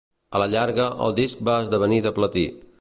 A la llarga, el disc va esdevenir de platí.